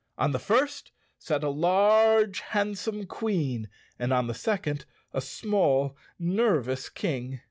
On the first sat a large, handsome Queen and on the second a small nervous King.